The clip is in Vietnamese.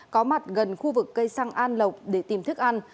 có mặt gần khu vực cây xăng an lộc để tìm thức ăn